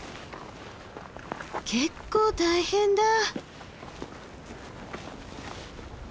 結構大変だ。